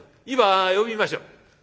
今呼びましょう。